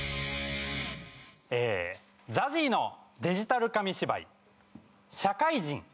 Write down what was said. えＺＡＺＹのデジタル紙芝居「社会人」